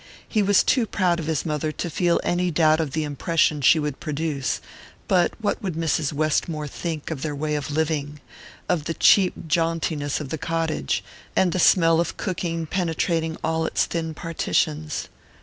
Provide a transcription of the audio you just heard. He was too proud of his mother to feel any doubt of the impression she would produce; but what would Mrs. Westmore think of their way of living, of the cheap jauntiness of the cottage, and the smell of cooking penetrating all its thin partitions?